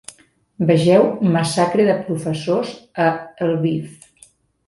Vegeu Massacre de professors a Lviv.